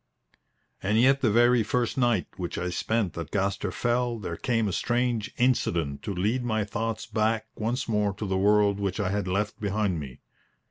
And yet the very first night which I spent at Gaster Fell there came a strange incident to lead my thoughts back once more to the world which I had left behind me.